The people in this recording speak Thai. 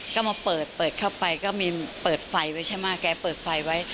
ก็มาเปิดเปิดเข้าไปก็มีเปิดไฟไว้ใช่ไหมแกเปิดไฟไว้